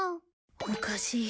おかしい